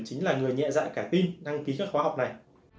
chính là người nhẹ dạ cả tin đăng ký các khóa học này